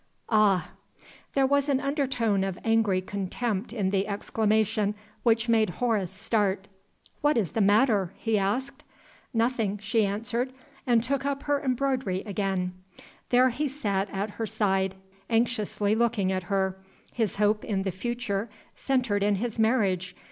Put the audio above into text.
"Ah!" There was an undertone of angry contempt in the exclamation which made Horace start. "What is the matter?" he asked. "Nothing," she answered, and took up her embroidery again. There he sat at her side, anxiously looking at her his hope in the future centered in his marriage!